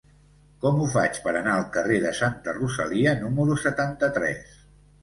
Com ho faig per anar al carrer de Santa Rosalia número setanta-tres?